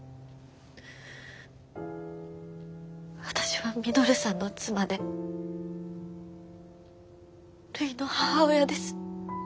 私は稔さんの妻でるいの母親です。